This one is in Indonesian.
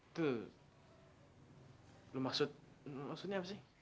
itu lo maksud maksudnya apa sih